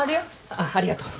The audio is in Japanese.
あっありがとう。